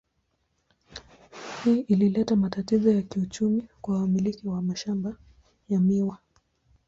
Hii ilileta matatizo ya kiuchumi kwa wamiliki wa mashamba ya miwa.